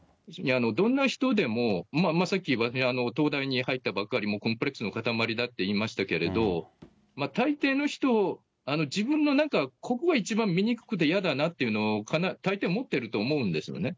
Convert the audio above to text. どんな人でも、さっき東大に入ったばっかり、コンプレックスの塊だって言いましたけれども、たいていの人、自分のなんか、ここが一番醜くてやだなって思うとこ、たいてい思ってると思うんですよね。